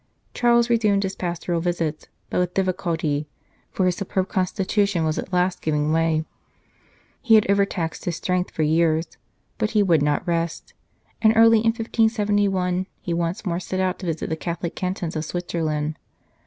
Charles resumed his pastoral visits, but with difficulty, for his superb constitution was at last giving way. He had overtaxed his strength for years, but he would not rest, and early in 1571 he once more set out to visit the Catholic cantons of Switzerland.